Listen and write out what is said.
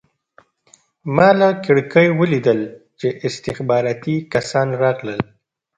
ما له کړکۍ ولیدل چې استخباراتي کسان راغلل